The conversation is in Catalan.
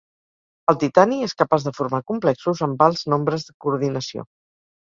El titani és capaç de formar complexos amb alts nombres de coordinació.